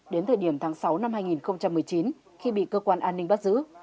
đến thời điểm tháng sáu năm hai nghìn một mươi chín khi bị cơ quan an ninh bắt giữ